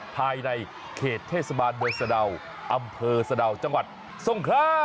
ภายในเขตเทศบาลเมืองสะดาวอำเภอสะดาวจังหวัดทรงครา